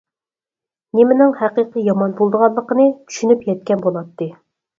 نېمىنىڭ ھەقىقىي يامان بولىدىغانلىقىنى چۈشىنىپ يەتكەن بولاتتى.